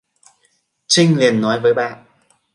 Trinh liền nói với bạn